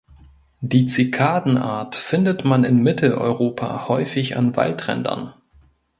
Die Zikadenart findet man in Mitteleuropa häufig an Waldrändern.